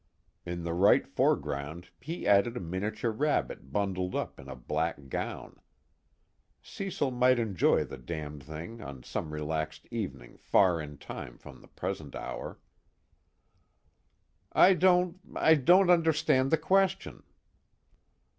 In the right foreground he added a miniature rabbit bundled up in a black gown. Cecil might enjoy the damned thing, on some relaxed evening far in time from the present hour. "I don't I don't understand the question."